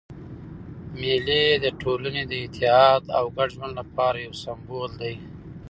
مېلې د ټولني د اتحاد او ګډ ژوند له پاره یو سېمبول دئ.